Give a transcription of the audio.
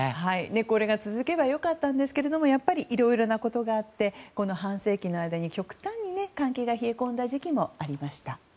これが続けば良かったんですけれどもやっぱりいろいろなことがあってこの半世紀の間に極端に関係が冷え込んだ時期もありました。